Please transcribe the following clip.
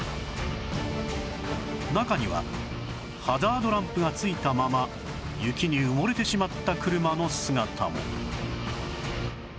中にはハザードランプがついたまま雪に埋もれてしまった車の姿も